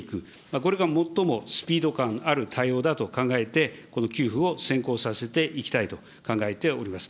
これが最もスピード感ある対応だと考えて、この給付を先行させていきたいと考えております。